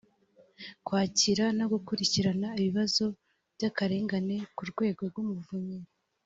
kwakira no gukurikirana ibibazo by akarengane ku rwego rw umuvunyi